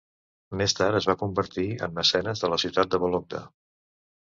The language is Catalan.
Més tard es va convertir en mecenes de la ciutat de Vólogda.